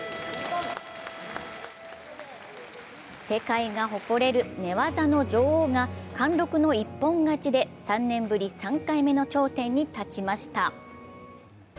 世界が誇れる寝技の女王が貫禄の一本勝ちで３年ぶり３回目の頂点に立ちました。